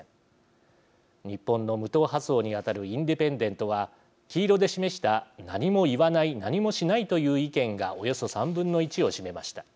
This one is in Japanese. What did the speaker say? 日本の無党派層に当たるインディペンデントは黄色で示した何も言わない何もしないという意見がおよそ３分の１を占めました。